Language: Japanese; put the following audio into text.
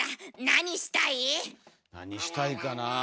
何したいかなあ。